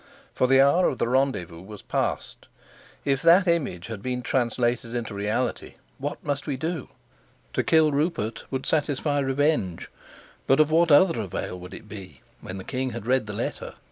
For the hour of the rendezvous was past. If that image had been translated into reality, what must we do? To kill Rupert would satisfy revenge, but of what other avail would it be when the king had read the letter?